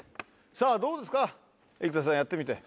さぁどうですか生田さんやってみて。